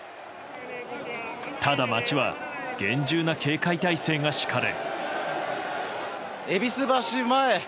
ただ、街は厳重な警戒体制が敷かれ。